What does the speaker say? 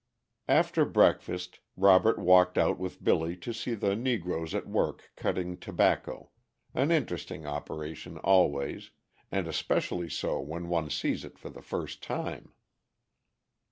_ After breakfast Robert walked out with Billy to see the negroes at work cutting tobacco, an interesting operation always, and especially so when one sees it for the first time.